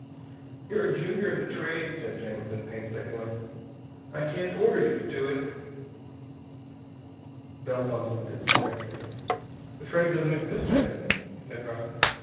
"You're a junior in the Trade," said Jamison painstakingly. "I can't order you to do it." Bell fumbled with his cigarette case. "The Trade doesn't exist, Jamison," he said dryly.